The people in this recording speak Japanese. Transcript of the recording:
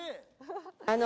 あの。